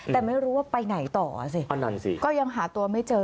แต่ไม่รู้ว่าไปไหนต่อสิก็ยังหาตัวไม่เจอ